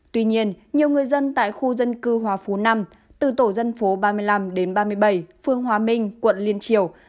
tuy nhiên nhiều người dân tại khu dân cư hòa phú năm từ tổ dân phố ba mươi năm đến ba mươi bảy phương hòa minh quận liên triều